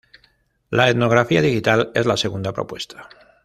La etnografía digital es la segunda propuesta.